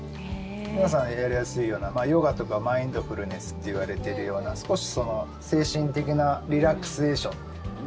皆さん、やりやすいようなヨガとかマインドフルネスっていわれているような少し精神的なリラクゼーション。